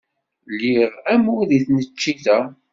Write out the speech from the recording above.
Liɣ amur deg tneččit-a.